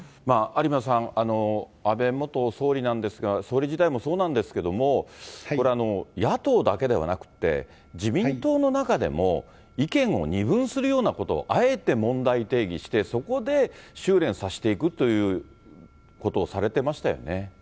有馬さん、安倍元総理なんですが、総理時代もそうなんですけども、これ、野党だけではなくて、自民党の中でも意見を二分するようなこと、あえて問題提議して、そこで収れんさせていくということをされてましたよね。